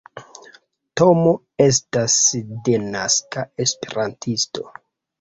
Tomo estas denaska Esperantisto.